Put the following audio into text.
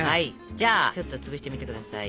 じゃあちょっと潰してみて下さい。